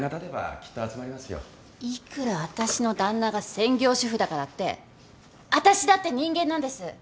いくらあたしの旦那が専業主夫だからってあたしだって人間なんです！